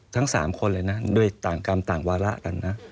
ทั้ง๓คนเลยนะด้วยต่างกรรมต่างวาระกันนะ